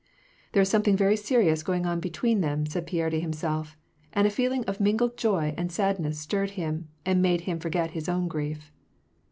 " There is something very serious going on between them," said Pierre to himself ; and a feeling of mingled joy and sad ness stirred him, and made him forget his own grief.